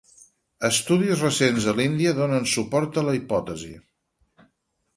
Estudis recents a l'Índia donen suport a la hipòtesi.